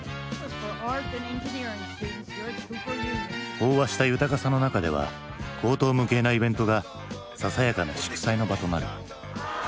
飽和した豊かさの中では荒唐無稽なイベントがささやかな祝祭の場となる。